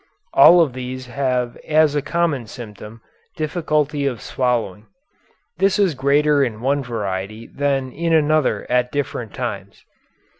All of these have as a common symptom difficulty of swallowing. This is greater in one variety than in another at different times.